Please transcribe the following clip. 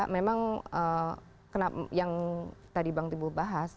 memang yang tadi bang timbul bahas